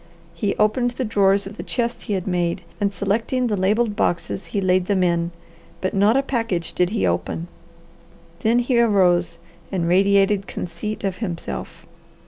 He opened the drawers of the chest he had made, and selecting the labelled boxes he laid them in. But not a package did he open. Then he arose and radiated conceit of himself.